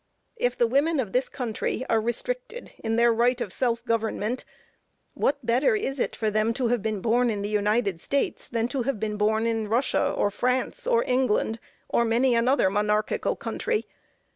If the women of this country are restricted in their right of self government, what better is it for them to have been born in the United States, than to have been born in Russia, or France, or England, or many another monarchical country?